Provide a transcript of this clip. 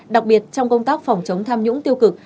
đặc biệt trong công tác phòng chống tham nhũng tiêu cực